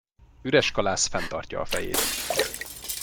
Üres kalász fenn tartja a fejét.